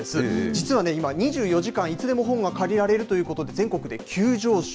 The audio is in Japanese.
実はね、今、２４時間いつでも本が借りられるということで、全国で急上昇。